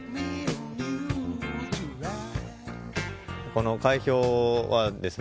この海氷はですね